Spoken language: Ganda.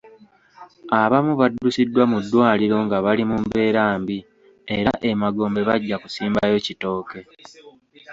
Abamu baddusiddwa mu ddwaliro nga bali mu mbeera mbi era e Magombe bajja kusimbayo kitooke.